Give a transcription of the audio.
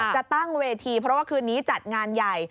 จะตั้งเวทีเพราะว่าคืนนี้จัดงานใหญ่